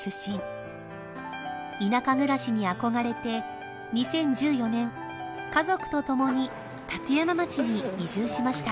田舎暮らしに憧れて２０１４年家族とともに立山町に移住しました。